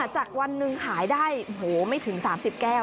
จากวันหนึ่งขายได้ไม่ถึง๓๐แก้ว